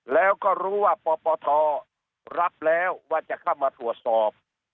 แล้วก็รู้ว่าปปทรับแล้วว่าจะเข้ามาตรวจสอบ